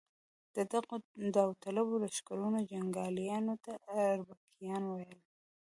د دغو داوطلبو لښکرونو جنګیالیو ته اربکیان ویل.